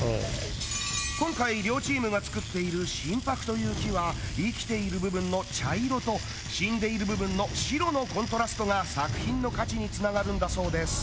今回両チームが作っている真柏という木は生きている部分の茶色と死んでいる部分の白のコントラストが作品の価値につながるんだそうです